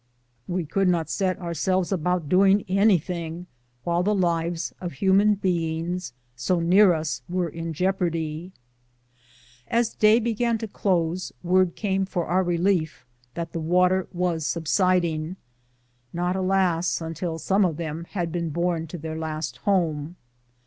We could not set ourselves about doing anything while the lives of human beings so near us were in jeopardy. As day began to close, word came for our relief that the water was subsiding; not, alas, until some of them had been borne to their last home.